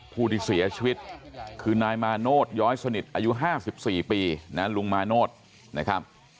ผู้ที่เสียชีวิตคือนายมาโนธย้อยสนิทอายุ๕๔ปีนะลุงมาโนธนะครับ